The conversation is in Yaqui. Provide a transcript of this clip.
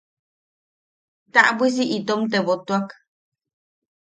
Taʼabwisi itom tebotuak.